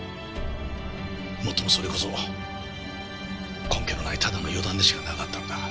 もっともそれこそ根拠のないただの予断でしかなかったんだが。